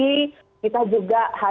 kita juga harus menjaga protokol kesehatan